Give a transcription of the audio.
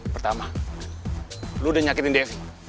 pertama lu udah nyakitin devi